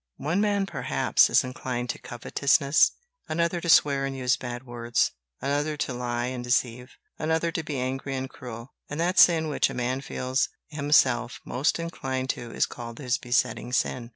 One man, perhaps, is inclined to covetousness, another to swear and use bad words, another to lie and deceive, another to be angry and cruel; and that sin which a man feels himself most inclined to is called his besetting sin."